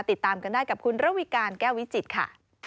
ติดตามกันได้กับคุณระวิการแก้ววิจิตรค่ะ